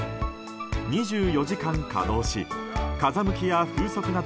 ２４時間稼働し風向きや風速など